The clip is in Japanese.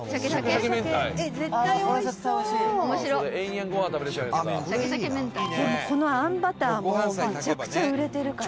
矢田：「このあんバターもめちゃくちゃ売れてるから」